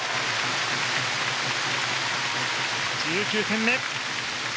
１９点目。